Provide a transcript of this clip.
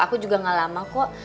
aku juga gak lama kok